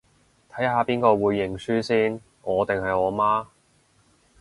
睇下邊個會認輸先，我定係我媽